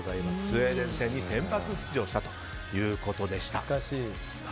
スウェーデン戦に先発出場したということでした。